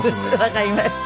わかりました。